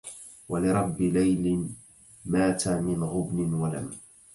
ولرب ليل مات من غبن ولم